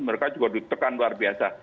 mereka juga ditekan luar biasa